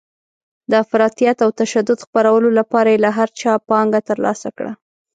د افراطیت او تشدد خپرولو لپاره یې له هر چا پانګه ترلاسه کړه.